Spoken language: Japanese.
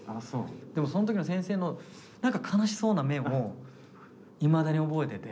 でもその時の先生の何か悲しそうな目をいまだに覚えてて。